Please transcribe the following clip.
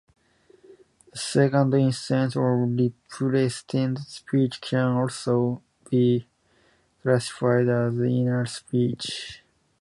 The second instance of represented speech can also be classified as inner speech.